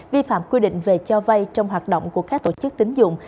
vi phạm quy định về cho vay trong hoạt động của các tổ chức tính dụng